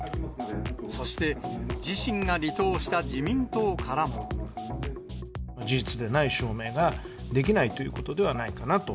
そして、自身が離党した自民党からも。事実でない証明ができないということではないかなと。